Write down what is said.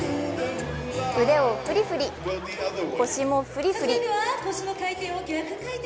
腕をふりふり、腰もふりふり。